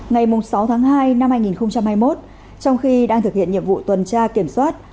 ngày sáu tháng hai năm hai nghìn hai mươi một trong khi đang thực hiện nhiệm vụ tuần tra kiểm soát